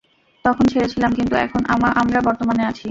তখন ছেড়েছিলাম, কিন্তু এখন আমরা বর্তমানে আছি।